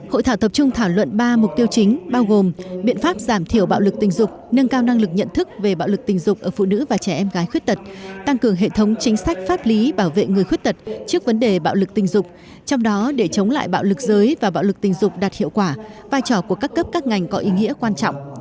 hội thảo tập trung thảo luận ba mục tiêu chính bao gồm biện pháp giảm thiểu bạo lực tình dục nâng cao năng lực nhận thức về bạo lực tình dục ở phụ nữ và trẻ em gái khuyết tật tăng cường hệ thống chính sách pháp lý bảo vệ người khuyết tật trước vấn đề bạo lực tình dục trong đó để chống lại bạo lực giới và bạo lực tình dục đạt hiệu quả vai trò của các cấp các ngành có ý nghĩa quan trọng